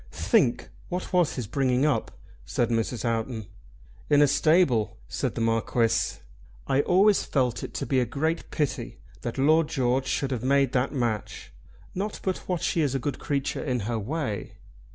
"Think what was his bringing up," said Mrs. Houghton. "In a stable," said the Marquis. "I always felt it to be a great pity that Lord George should have made that match; not but what she is a good creature in her way."